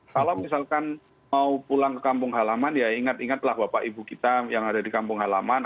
kalau misalkan mau pulang ke kampung halaman ya ingat ingatlah bapak ibu kita yang ada di kampung halaman